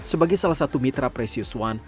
sebagai salah satu mitra presius one